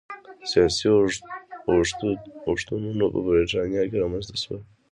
سیاسي اوښتونونه په برېټانیا کې رامنځته شول